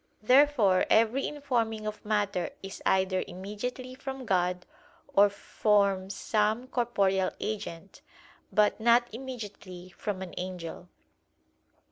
Therefore every informing of matter is either immediately from God, or form some corporeal agent; but not immediately from an angel.